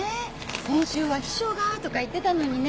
先週は「秘書が」とか言ってたのにね。